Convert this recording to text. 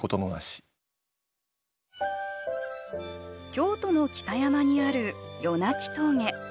京都の北山にある夜泣峠。